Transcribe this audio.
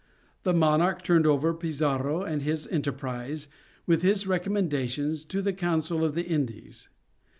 The monarch turned over Pizarro and his enterprise, with his recommendation, to the Council of the Indies.